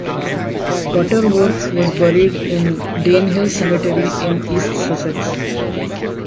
Butterworth was buried in Danehill Cemetery, in East Sussex.